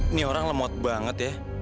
ini orang lemot banget ya